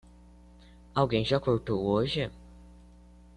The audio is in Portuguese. Alguém já cortou hoje?